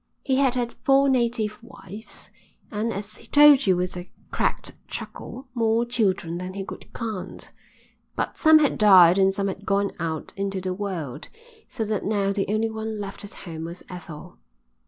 He had had four native wives and, as he told you with a cracked chuckle, more children than he could count. But some had died and some had gone out into the world, so that now the only one left at home was Ethel.